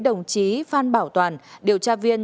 đồng chí phan bảo toàn điều tra viên